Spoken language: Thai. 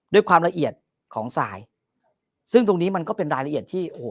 ด้วยความละเอียดของสายซึ่งตรงนี้มันก็เป็นรายละเอียดที่โอ้โห